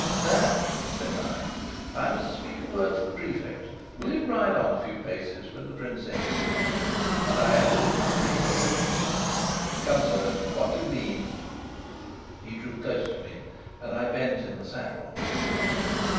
"Sapt," said I, "I must speak a word to the Prefect. Will you ride on a few paces with the princess?" And I added to the Prefect: "Come, sir, what do you mean?" He drew close to me, and I bent in the saddle.